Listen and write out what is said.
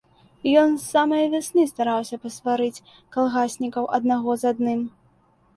Ён з самае вясны стараўся пасварыць калгаснікаў аднаго з адным.